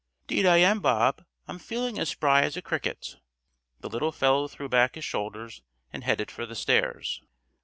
"'Deed I am, Bob. I'm feelin' as spry as a cricket." The little fellow threw back his shoulders and headed for the stairs.